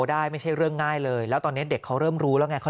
ได้ไม่ใช่เรื่องง่ายเลยแล้วตอนนี้เด็กเขาเริ่มรู้แล้วไงเขา